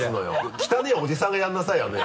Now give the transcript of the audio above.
汚ねぇおじさんがやんなさいよあの役。